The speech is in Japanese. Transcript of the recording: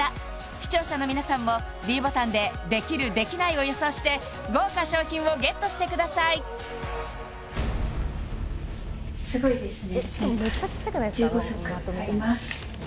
視聴者の皆さんもｄボタンでできるできないを予想して豪華賞品をＧＥＴしてくださいすごいですね